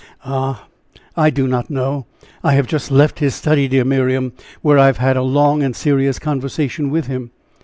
"Ah, I do not know! I have just left his study, dear Miriam, where I have had a long and serious conversation with him."